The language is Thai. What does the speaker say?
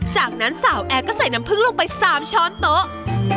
จากนั้นสาวแอร์ก็ใส่น้ำผึ้งลงไป๓ช้อนโต๊ะ